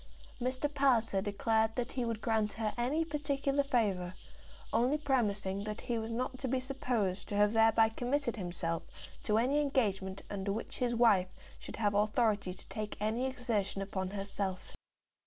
Mr. Palliser declared that he would grant her any particular favour, only premising that he was not to be supposed to have thereby committed himself to any engagement under which his wife should have authority to take any exertion upon herself.